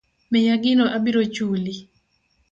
Miya gino abiro chuli.